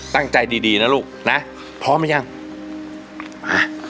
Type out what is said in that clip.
ตั้งใจดีดีนะลูกนะพร้อมหรือยังฮะ